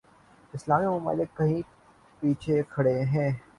اسلامی ممالک کہیں پیچھے کھڑے ہیں۔